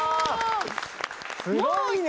すごいね！